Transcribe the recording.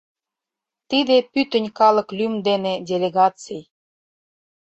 Тиде пӱтынь калык лӱм дене — делегаций.